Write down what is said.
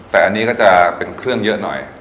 แต่อันนี้ก็จะเป็นเครื่องเยอะหน่อย